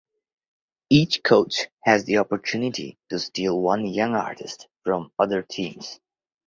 Each coach has the opportunity to steal one young artist from other teams.